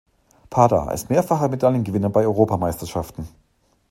Padar ist mehrfacher Medaillengewinner bei Europameisterschaften.